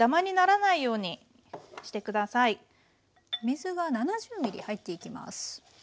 水が７０ｍ入っていきます。